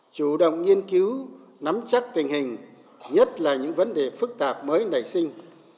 chủ động nghiên cứu nắm chắc tình hình nhất là những vấn đề phức tạp mới nảy sinh